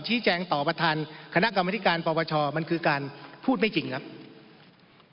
ที่แจงต่อบทธานคณะกรรมนิการพปชมันคือการพูดไม่จริงนะครับ